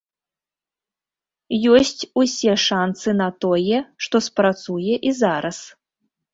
Ёсць усе шанцы на тое, што спрацуе і зараз.